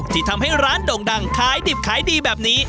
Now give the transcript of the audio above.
ที่ทำให้ร้านโด่งดังขายดิบขายดีแบบนี้